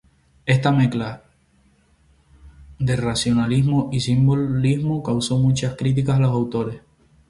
Esta mezcla de racionalismo y simbolismo causó muchas críticas a los autores.